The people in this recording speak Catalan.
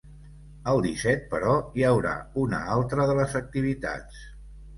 El disset, però, hi haurà una altra de les activitats.